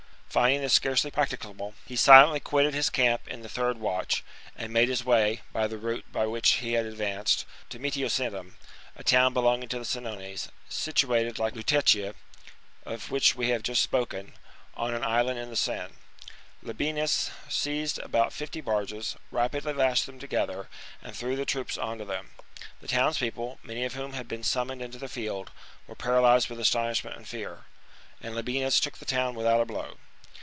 Finding this scarcely practicable, he silently quitted his camp in the third watch, and made his way, by the route by which he had advanced, to Metiosedum, a town belonging to the Senones, situated, like Lutetia, of which we have just spoken, on an island in the Seine. Labienus seized about fifty barges, rapidly lashed them together, and threw the troops on to them : the townspeople, many of whom had been sum moned into the field, were paralysed with astonish ment and fear ; and Labienus took the town without a blow.